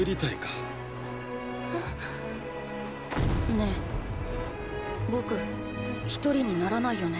ねぇ僕一人にならないよね。